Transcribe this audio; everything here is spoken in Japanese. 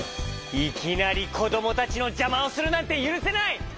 いきなりこどもたちのじゃまをするなんてゆるせない！